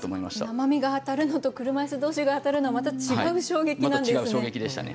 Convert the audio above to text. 生身が当たるのと車いす同士が当たるのはまた違う衝撃なんですね。